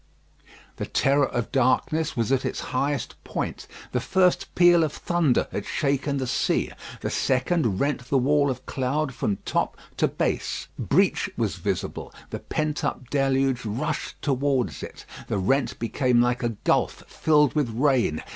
The terror of darkness was at its highest point. The first peal of thunder had shaken the sea; the second rent the wall of cloud from top to base; breach was visible; the pent up deluge rushed towards it; the rent became like a gulf filled with rain.